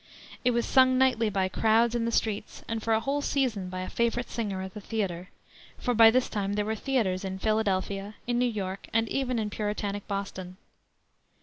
It was sung nightly by crowds in the streets, and for a whole season by a favorite singer at the theater; for by this time there were theaters in Philadelphia, in New York, and even in Puritanic Boston.